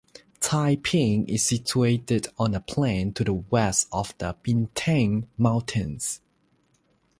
Taiping is situated on a plain to the west of the Bintang Mountains.